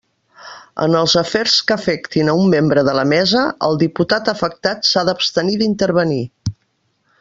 En els afers que afectin un membre de la Mesa, el diputat afectat s'ha d'abstenir d'intervenir.